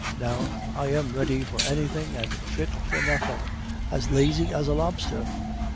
Now, I am ready for anything and fit for nothing. As lazy as a lobster?